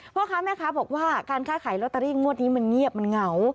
พ่อค้าแม่ค้าบอกว่าการค้าขายลอตเตอรี่งวดนี้มันเงียบมันเหงา